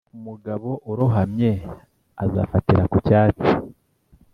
umugabo urohamye azafatira ku cyatsi.